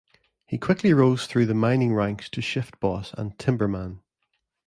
He quickly rose through the mining ranks to shift-boss and timberman.